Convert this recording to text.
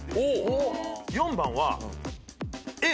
４番は。